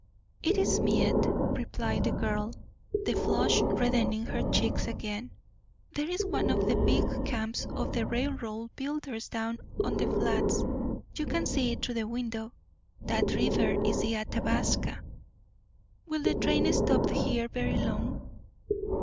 "It is Miette," replied the girl, the flush reddening her cheeks again. "There's one of the big camps of the railroad builders down on the Flats. You can see it through the window. That river is the Athabasca." "Will the train stop here very long?"